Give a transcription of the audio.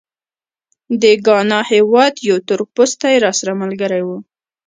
د ګانا هېواد یو تورپوستی راسره ملګری و.